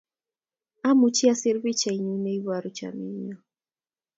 Amuchi asir pichai ne iporu chamyenyo